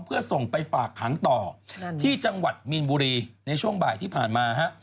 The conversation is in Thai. เพื่อส่งไปฝากขังต่อที่จังหวัดมีนบุรีในช่วงบ่ายที่ผ่านมาฮะ